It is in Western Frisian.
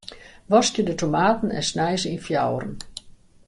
Waskje de tomaten en snij se yn fjouweren.